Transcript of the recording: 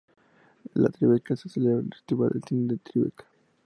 En Tribeca se celebra el Festival de Cine de TriBeCa.